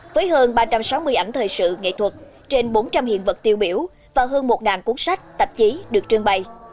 với hơn ba trăm sáu mươi ảnh thời sự nghệ thuật trên bốn trăm linh hiện vật tiêu biểu và hơn một cuốn sách tạp chí được trưng bày